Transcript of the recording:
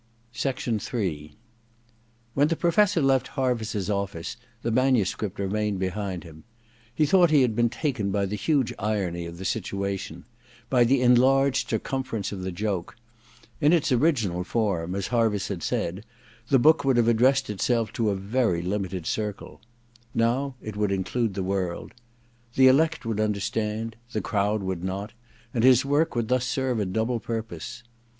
Ill When the Professor left Harviss*s office the manuscript remained behind. He thought he had been taken by the huge irony of the situa tion — by the enlarged circumference of the joke. In its original form, as Harviss had said, the book would have addressed itself to a very limited circle : now it would include the world. The elect would understand ; the crowd would not ; and his work would thus serve a double purpose.